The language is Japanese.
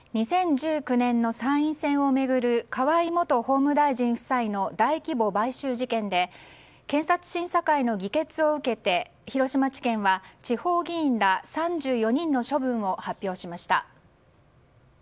２０１９年の参院選を巡る河井元法務大臣夫妻の大規模買収事件で検察審査会の議決を受けて広島地検は地方議員ら３４人の処分を発表しました。